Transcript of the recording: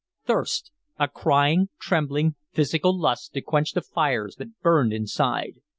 Thirst! a crying, trembling, physical lust to quench the fires that burned inside.